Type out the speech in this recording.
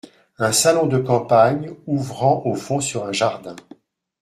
Un salon de campagne, ouvrant au fond sur un jardin.